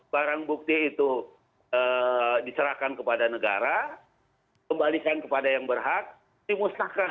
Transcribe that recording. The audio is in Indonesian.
barang bukti itu diserahkan kepada negara kembalikan kepada yang berhak dimusnahkan